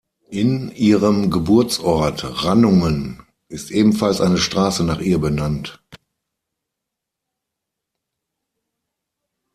In ihrem Geburtsort Rannungen ist ebenfalls eine Straße nach ihr benannt.